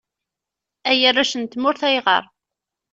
Ay arrac n tmurt, ayɣer?